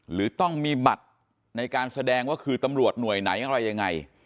หรือต้องมีบัตรในการแสดงว่าคือตำรวจหน่วยไหนอะไรยังไง